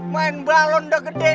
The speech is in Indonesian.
main balon udah gede